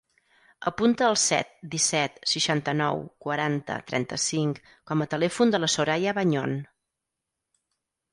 Apunta el set, disset, seixanta-nou, quaranta, trenta-cinc com a telèfon de la Soraya Bañon.